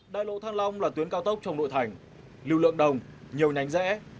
đại lộ thăng long là tuyến cao tốc trong nội thành lưu lượng đồng nhiều nhánh rẽ